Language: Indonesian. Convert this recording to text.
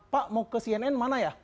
pak mau ke cnn mana ya